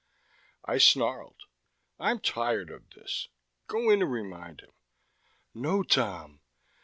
I snarled, "I'm tired of this. Go in and remind him!" "No, Tom!"